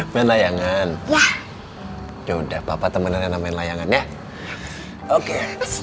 melayangkan ya udah papa teman enak main layangan ya oke